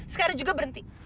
sekarang juga berhenti